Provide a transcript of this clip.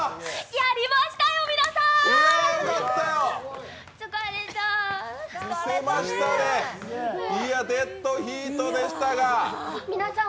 やりましたよ、皆さん！